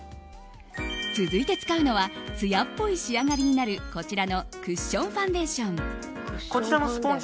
続いて使うのはつやっぽい仕上がりになるこちらのクッションファンデーション。